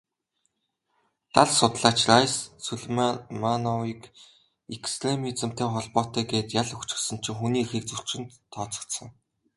Лал судлаач Райс Сулеймановыг экстремизмтэй холбоотой гээд ял өгчихсөн чинь хүний эрхийг зөрчсөнд тооцогдсон.